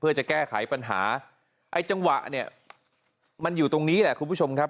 เพื่อจะแก้ไขปัญหาไอ้จังหวะเนี่ยมันอยู่ตรงนี้แหละคุณผู้ชมครับ